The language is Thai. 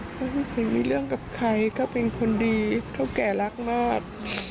เขาไม่เคยมีเรื่องกับใครเขาเป็นคนดีเท่าแก่รักมาก